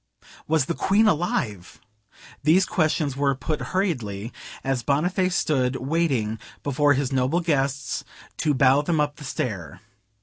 Was the Queen alive? These questions were put hurriedly, as Boniface stood waiting before his noble guests to bow them up the stair.